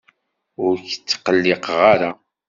Ur k-ttqelliqeɣ ara.